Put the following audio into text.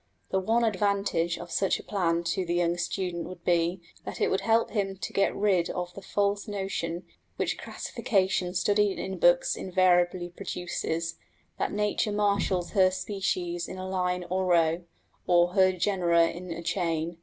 The one advantage of such a plan to the young student would be, that it would help him to get rid of the false notion, which classification studied in books invariably produces, that nature marshals her species in a line or row, or her genera in a chain.